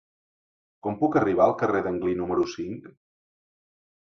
Com puc arribar al carrer d'Anglí número cinc?